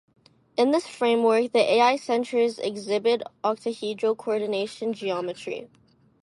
In this framework, the Al centres exhibit octahedral coordination geometry.